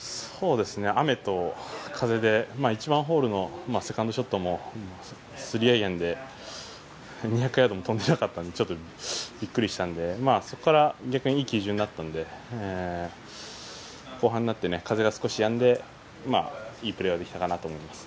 雨と風で１番ホールのセカンドショットも３アイアンで２００ヤードも飛んでいなかったのでちょっと、びっくりしたんでそこから逆にいい基準になったので後半になって風が少しやんでいいプレーができたかなと思います。